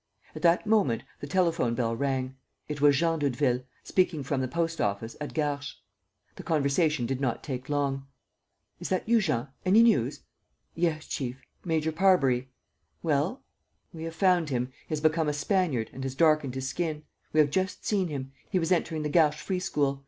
At that moment, the telephone bell rang. It was Jean Doudeville, speaking from the post office at Garches. The conversation did not take long: "Is that you, Jean? Any news?" "Yes, chief, Major Parbury. ..." "Well?" "We have found him. He has become a Spaniard and has darkened his skin. We have just seen him. He was entering the Garches free school.